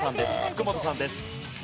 福本さんです。